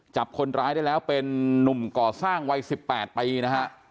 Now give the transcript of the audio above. จับคนร้ายได้แล้วเป็นนุ่มก่อสร้างวัย๑๘ปีนะฮะ